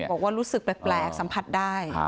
บอกว่ารู้สึกแปลกสัมผัสได้